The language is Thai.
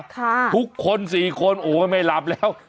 ทุกคนสี่คนโอ้ยไม่หลับแล้ว